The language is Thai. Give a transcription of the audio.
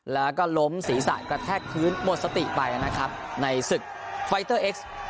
แล้วก็ล้มศีรษะกระแทกพื้นหมดสติไปนะครับในศึกไฟเตอร์เอ็กซ์